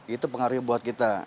itu pengaruhnya buat kita